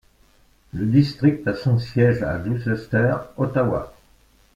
Le district a son siège à Gloucester, Ottawa.